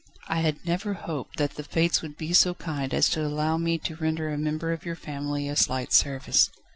"I had never hoped that the Fates would be so kind as to allow me to render a member of your family a slight service."